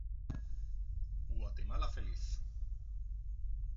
¡Guatemala feliz!